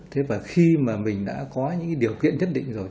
thế và khi mà mình đã có những điều kiện nhất định rồi